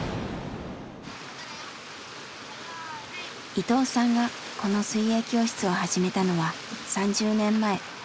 伊藤さんがこの水泳教室を始めたのは３０年前。